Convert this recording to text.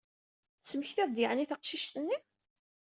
Tettmektiḍ-d yeɛni taqcict-nni?